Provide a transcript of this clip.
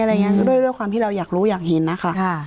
อะไรอย่างนี้ด้วยด้วยความที่เราอยากรู้อยากเห็นนะคะค่ะ